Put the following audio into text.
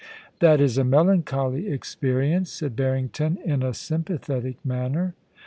* That is a melancholy experience,' said Harrington, in a sympathetic manner.